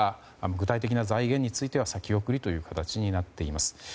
具体的な財源については先送りという形になっています。